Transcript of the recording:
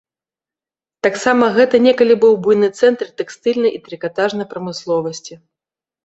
Таксама гэта некалі быў буйны цэнтр тэкстыльнай і трыкатажнай прамысловасці.